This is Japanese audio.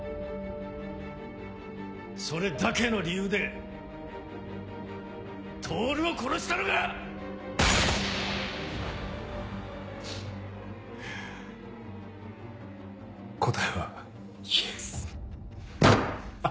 それだけの理由で透を殺したのか⁉銃声答えはイエス。